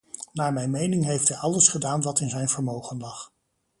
Naar mijn mening heeft hij alles gedaan wat in zijn vermogen lag.